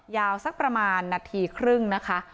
สักประมาณนาทีครึ่งนะคะ